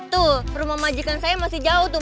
tuh rumah majikan saya masih jauh tuh